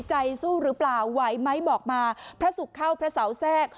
ใจสู้หรือเปล่าไหวไหมบอกมาพระศุกร์เข้าพระเสาแทรก